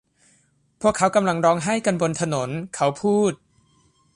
พวกเขากำลังร้องไห้กันบนถนน'เขาพูด